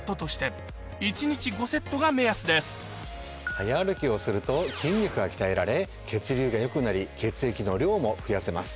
早歩きをすると筋肉が鍛えられ血流が良くなり血液の量も増やせます。